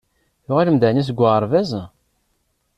Tuɣalem-d ɛni seg uɣerbaz?